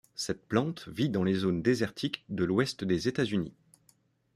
Cette plante vit dans les zones désertiques de l'Ouest des États-Unis.